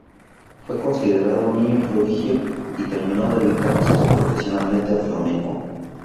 Fue considerado niño prodigio y terminó dedicándose profesionalmente al flamenco.